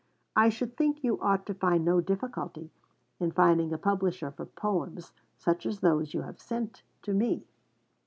I should think you ought to find no difficulty in finding a publisher for poems such as those you have sent to me.